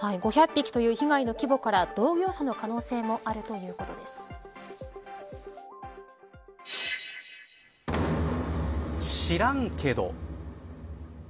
５００匹という被害の規模から同業者の可能性もある知らんけど。